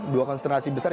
dua konsentrasi besar